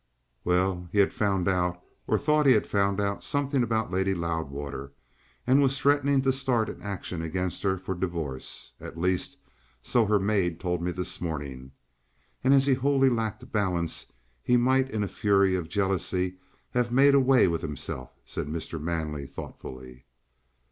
"Well, he had found out, or thought he had found out, something about Lady Loudwater, and was threatening to start an action against her for divorce. At least, so her maid told me this morning. And as he wholly lacked balance, he might in a fury of jealousy have made away with himself," said Mr. Manley thoughtfully.